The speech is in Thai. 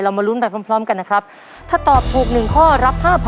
เรามาลุ้นไปพร้อมกันนะครับถ้าตอบถูกหนึ่งข้อรับ๕๐๐๐บาท